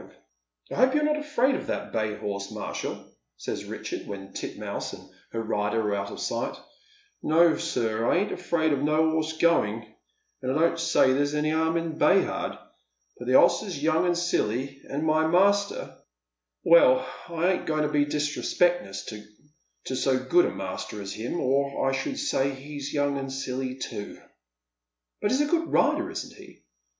I hope you're not afiaid of that bay horse, Marshall," says Eicliard, when Titmouse and b*f rider are out of sight " No, sir, I ain't afraid of no 'oss going, and I don't say there's any 'arm in Bay hard. But the 'oss is young and silly, and my Alexis Comes to Grief. !223 master — welf, I ain't goine: to be disrespecttious to so good a master as him, or I eliould say he's young and silly too." " But he's a good rider, isn't he